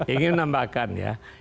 ingin menambahkan ya